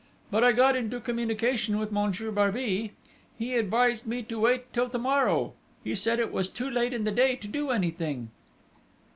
"But I got into communication with Monsieur Barbey.... He advised me to wait till to morrow: he said it was too late in the day to do anything...."